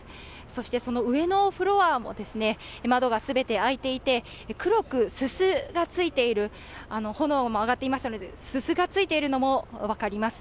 そしてその上のフロアも窓がすべて開いていて、黒くすすがついている、炎が上がっていたのですすがついているのも分かります。